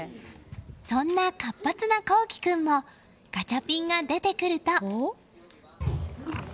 そんな活発な昊生君もガチャピンが出てくると。